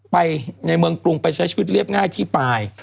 ไปในเมืองกรุงไปใช้ชีวิตเรียบง่ายที่ปลาย